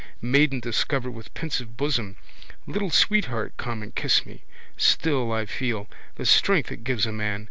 Maiden discovered with pensive bosom. Little sweetheart come and kiss me. Still, I feel. The strength it gives a man.